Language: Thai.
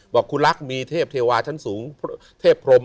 บอกคุณรักมีเทพเทวาชั้นสูงเทพพรม